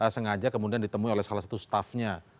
sengaja kemudian ditemui oleh salah satu staffnya